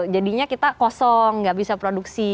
jadinya kita kosong nggak bisa produksi